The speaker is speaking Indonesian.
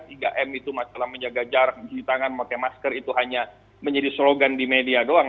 itu masalah menjaga jarak bersih tangan memakai masker itu hanya menjadi slogan di media doang